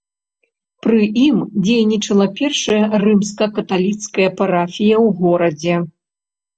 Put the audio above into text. Пры ім дзейнічала першая рымска-каталіцкая парафія у горадзе.